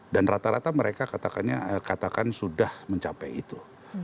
dan rata rata mereka katakan sudah mencapai itu